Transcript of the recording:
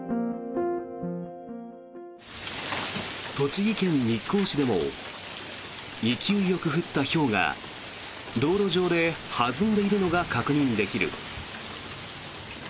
栃木県日光市でも勢いよく降ったひょうが道路上で弾んでいるのが確認できる。